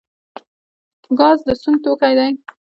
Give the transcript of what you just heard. ګاز د سون توکی دی